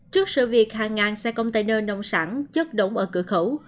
trước sự việc hàng ngàn xe container nông sản chất đống ở cửa khẩu